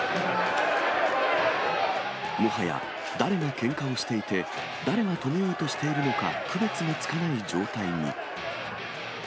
もはや、誰がけんかをしていて、誰が止めようとしているのか、区別もつかない状態に。